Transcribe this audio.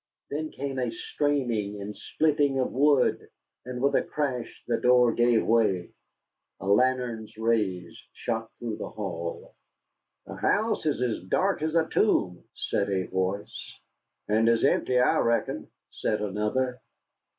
Then came a straining and splitting of wood, and with a crash the door gave way. A lantern's rays shot through the hall. "The house is as dark as a tomb," said a voice. "And as empty, I reckon," said another.